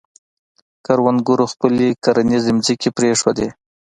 کروندګرو خپلې کرنیزې ځمکې پرېښودې.